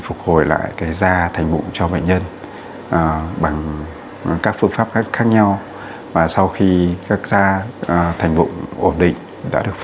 phục hồi lại thế da thành mụn cho bệnh nhân bằng các phương pháp khác nhau và sau khi các ra thành bụng ổn định đã được phục hồi cho bệnh nhân